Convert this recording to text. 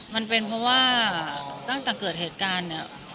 มันเป็นเพราะว่าตั้งแต่เกิดเหตุการณ์เนี่ย